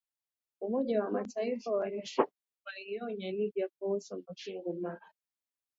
Umoja wa Mataifa waionya Libya kuhusu mapigano mapya.